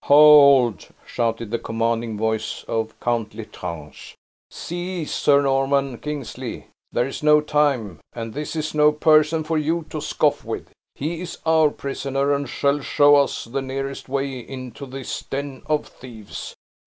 "Hold!" shouted the commanding voice of Count L'Estrange. "Cease, Sir Norman Kingsley! there is no time, and this is no person for you to scoff with. He is our prisoner, and shall show us the nearest way into this den of thieves.